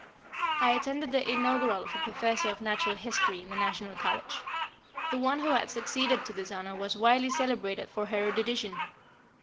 I attended the Inaugural of a Professor of Natural History in the National College. The one who had succeeded to this honor was widely celebrated for her erudition.